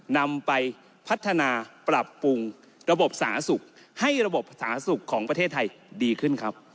นำไปพัฒนาปรับปรุงระบบสาธารณสุขให้ระบบสาธารณสุขของประเทศไทยดีขึ้นครับ